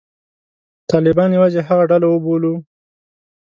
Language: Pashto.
طالبان یوازې هغه ډله وبولو.